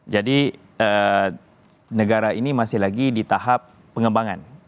jadi negara ini masih lagi di tahap pengembangan